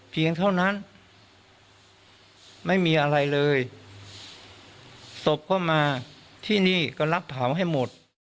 เท่านั้นไม่มีอะไรเลยศพก็มาที่นี่ก็รับเผาให้หมด